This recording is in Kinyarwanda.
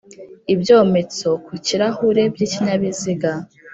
ibyometse kukirahure by’ikinyabiziga